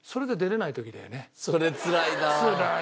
それつらいな。